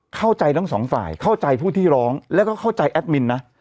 เข้าใจทั้งสองฝ่ายเข้าใจผู้ที่ร้องแล้วก็เข้าใจแอดมินนะ